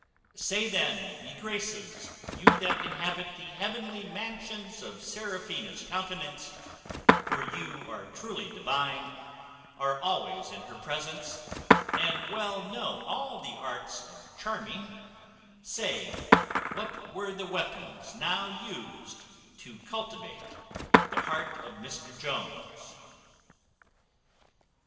"Say then, ye Graces! you that inhabit the heavenly mansions of Seraphina's countenance; for you are truly divine, are always in her presence, and well know all the arts of charming; say, what were the weapons now used to captivate the heart of Mr Jones."